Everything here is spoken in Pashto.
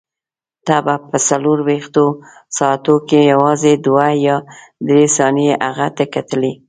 ته به په څلورویشتو ساعتو کې یوازې دوه یا درې ثانیې هغه ته کتلې.